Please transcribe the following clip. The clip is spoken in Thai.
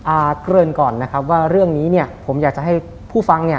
เกริ่นก่อนนะครับว่าเรื่องนี้เนี่ยผมอยากจะให้ผู้ฟังเนี่ย